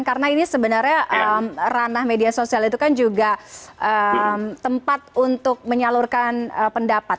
karena ini sebenarnya ranah media sosial itu kan juga tempat untuk menyalurkan pendapat